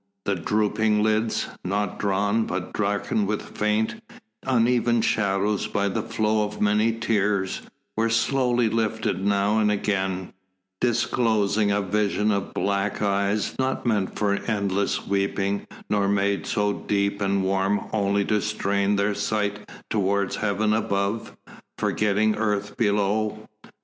The drooping lids, not drawn, but darkened with faint, uneven shadows by the flow of many tears, were slowly lifted now and again, disclosing a vision of black eyes not meant for endless weeping, nor made so deep and warm only to strain their sight towards heaven above, forgetting earth below.